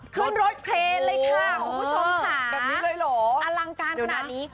ขึ้นรถเครนเลยค่ะคุณผู้ชมค่ะแบบนี้เลยเหรออลังการขนาดนี้